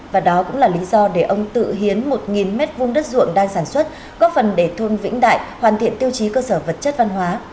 và đó cũng là lý do để ông tự hiến một m hai đất ruộng đang sản xuất góp phần để thôn vĩnh đại hoàn thiện tiêu chí cơ sở vật chất văn hóa